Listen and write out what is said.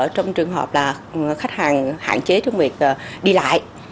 trong trường hợp là khách hàng hạn chế trong việc đi lại